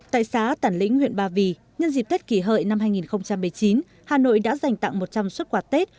tại xã tản lĩnh huyện ba vì nhân dịp tết kỷ hợi năm hai nghìn một mươi chín hà nội đã dành tặng một trăm linh xuất quà tết